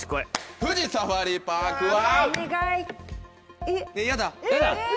富士サファリパークは。